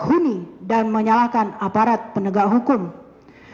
huni dan menyalahkan aparat penegak hukum di saat semua fasilitas yang mumpuni telah